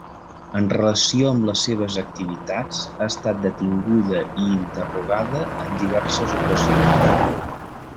En relació amb les seves activitats ha estat detinguda i interrogada en diverses ocasions.